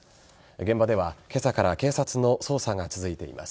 現場では、今朝から警察の捜査が続いています。